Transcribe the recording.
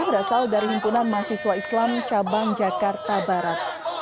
berasal dari himpunan mahasiswa islam cabang jakarta barat